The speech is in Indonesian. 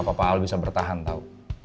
papa al bisa bertahan tahu